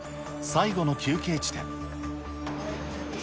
最後の休憩地点。